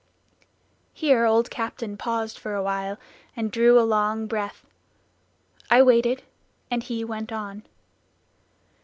Here old Captain paused for awhile and drew a long breath; I waited, and he went on.